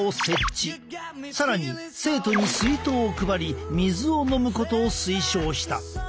更に生徒に水筒を配り水を飲むことを推奨した。